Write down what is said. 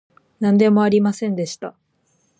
なんでもありませんでした